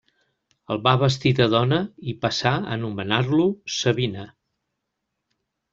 El va vestir de dona i passà a anomenar-lo Sabina.